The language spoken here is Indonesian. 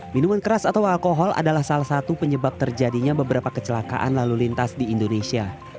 minuman keras atau alkohol adalah salah satu penyebab terjadinya beberapa kecelakaan lalu lintas di indonesia